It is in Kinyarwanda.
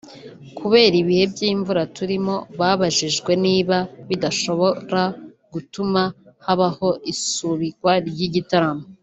Kubera ibihe by’ imvura turimo babajijwe niba bidashobora gutuma habaho isubikwa ry’ igitaramo